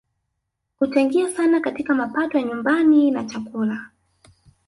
Huchangia sana katika mapato ya nyumbani na chakula